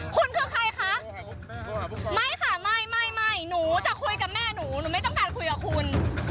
คุณคือใครคะไม่ค่ะไม่ไม่หนูจะคุยกับแม่หนูหนูไม่ต้องการคุยกับคุณ